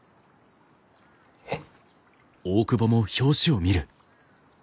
えっ？